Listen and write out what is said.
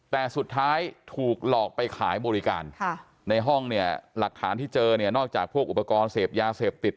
แต่สุดท้ายถูกหลอกไปขายบริการในห้องเนี่ยหลักฐานที่เจอเนี่ยนอกจากพวกอุปกรณ์เสพยาเสพติด